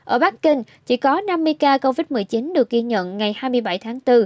ở bắc kinh chỉ có năm mươi ca covid một mươi chín được ghi nhận ngày hai mươi bảy tháng bốn